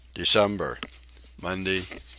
December. Monday 1.